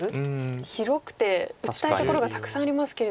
広くて打ちたいところがたくさんありますけれど。